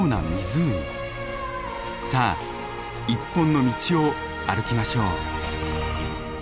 さあ一本の道を歩きましょう。